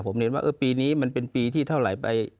ผมเรียนว่าปีนี้มันเป็นปีที่เท่าไหร่ไป